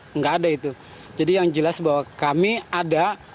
tidak ada itu jadi yang jelas bahwa kami ada